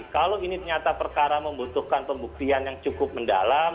kalau ini ternyata perkara membutuhkan pembuktian yang cukup mendalam